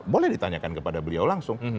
boleh ditanyakan kepada beliau langsung